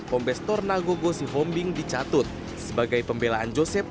pombes tornagogo sihombing dicatut sebagai pembelaan joseph